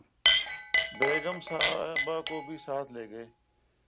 بیگم صاحبہ کو بھی ساتھ لے گئے